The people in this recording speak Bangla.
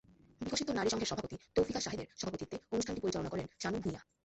বিকশিত নারী সংঘের সভাপতি তৌফিকা সাহেদের সভাপতিত্বে অনুষ্ঠানটি পরিচালনা করেন শানু ভূঁইয়া।